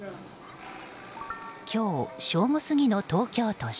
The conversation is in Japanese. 今日正午過ぎの東京都心。